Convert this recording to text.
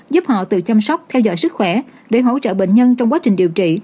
giúp họ tự chăm sóc theo dõi sức khỏe để hỗ trợ bệnh nhân trong quá trình điều trị